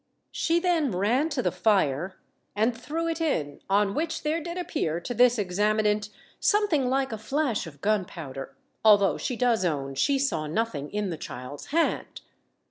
She then ran to the fire, and threw it in, on which there did appear to this examinant something like a flash of gunpowder, although she does own she saw nothing in the child's hand.